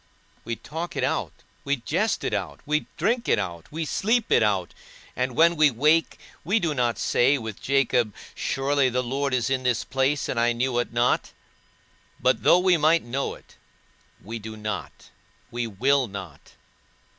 We talk it out, we jest it out, we drink it out, we sleep it out; and when we wake, we do not say with Jacob, Surely the Lord is in this place, and I knew it not: but though we might know it, we do not, we will not.